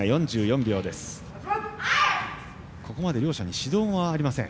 ここまで両者に指導がありません。